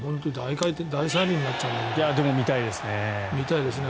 でも、見たいですね。